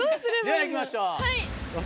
ではいきましょう。